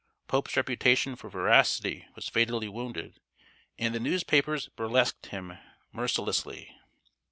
Pope's reputation for veracity was fatally wounded, and the newspapers burlesqued him mercilessly.